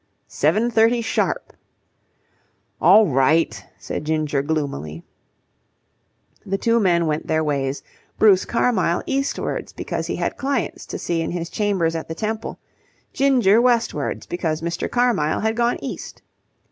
"Seven thirty sharp." "All right," said Ginger gloomily. The two men went their ways, Bruce Carmyle eastwards because he had clients to see in his chambers at the Temple; Ginger westwards because Mr. Carmyle had gone east.